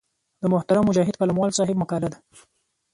د محترم مجاهد قلموال صاحب مقاله ده.